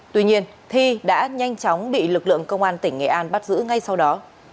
tuy nhiên thi đã nhanh chóng bị lực lượng công an tỉnh nghệ an bắt giữ ngay sau đó